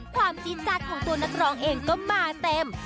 จี๊ดจัดของตัวนักร้องเองก็มาเต็ม